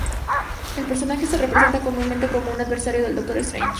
El personaje se representa comúnmente como un adversario del Doctor Strange.